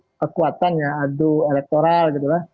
adu kekuatannya adu elektoral adu kapasitas